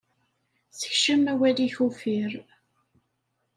Sekcem awal-ik uffir.